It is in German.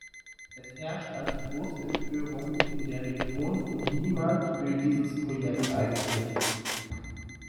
Es herrscht also große Empörung in der Region, und niemand will dieses Projekt eigentlich.